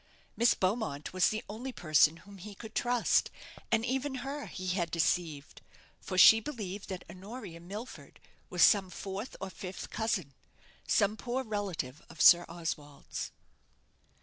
Miss Beaumont was the only person whom he could trust, and even her he had deceived; for she believed that Honoria Milford was some fourth or fifth cousin some poor relative of Sir Oswald's.